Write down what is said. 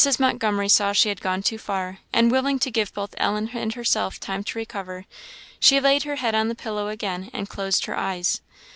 Montgomery saw she had gone too far, and, willing to give both Ellen and herself time to recover, she laid her head on the pillow again, and closed her eyes.